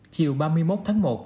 chiều ba mươi một tháng một